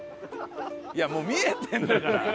いやもう見えてるんだから！